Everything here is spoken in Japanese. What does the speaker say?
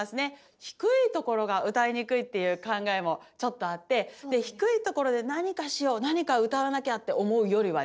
低いところが歌いにくいっていう考えもちょっとあってで低いところで何かしよう何か歌わなきゃって思うよりはね